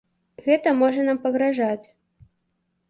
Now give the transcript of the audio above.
Гэта можа нам пагражаць.